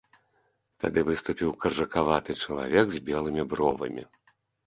Тады выступіў каржакаваты чалавек з белымі бровамі.